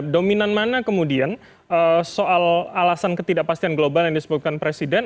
dominan mana kemudian soal alasan ketidakpastian global yang disebutkan presiden